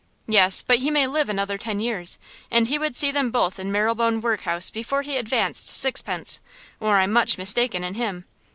'Yes. But he may live another ten years, and he would see them both in Marylebone Workhouse before he advanced sixpence, or I'm much mistaken in him.